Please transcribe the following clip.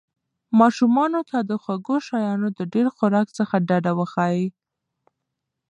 ماشومانو ته د خوږو شیانو د ډېر خوراک څخه ډډه وښایئ.